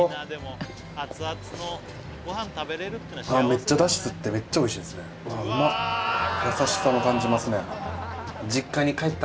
めっちゃだし吸ってめっちゃおいしいですねわあうまっ！